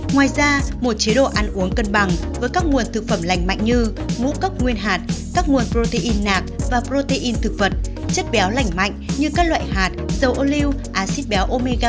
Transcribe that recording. ngoài ra một chế độ ăn uống cân bằng với các nguồn thực phẩm lành mạnh như mũ cốc nguyên hạt các nguồn protein nạc và protein thực vật chất béo lành mạnh như các loại hạt dầu oleu acid béo omiga